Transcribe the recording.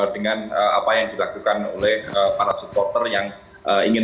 dengan apa yang dilakukan oleh para supporter yang ingin